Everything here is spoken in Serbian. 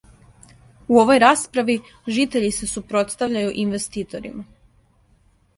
У овој расправи житељи се супротстављају инвеститорима.